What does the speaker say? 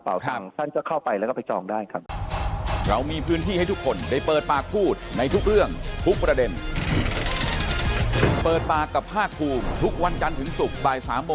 เปล่าทั้งสั้นก็เข้าไปแล้วก็ไปจองได้ครับ